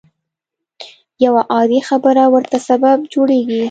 يوه عادي خبره ورته سبب جوړېږي.